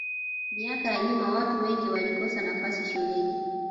miaka ya nyuma watu wengi walikosa nafasi shuleni